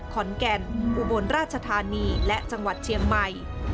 ขอนแก่นอุบลราชธานีและจังหวัดเชียงใหม่